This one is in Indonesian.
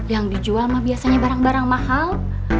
yang dijual mah biasanya barang barang mahal